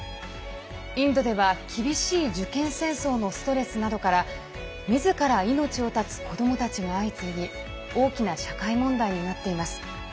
インドでは厳しい受験戦争のストレスなどからみずから命を絶つ子どもたちが相次ぎ大きな社会問題になっています。